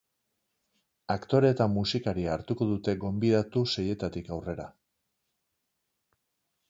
Aktore eta musikaria hartuko dute gonbidatu seietatik aurrera.